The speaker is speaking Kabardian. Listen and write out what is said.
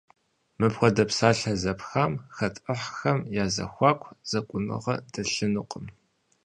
Мыпхуэдэ псалъэ зэпхам хэт ӏыхьэхэм я зэхуаку зэкӏуныгъэ дэлъынукъым.